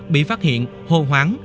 bị phát hiện hồ hoáng